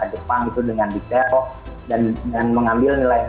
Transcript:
film film jepang tentunya yang paling menarik benar benar adalah film film jepang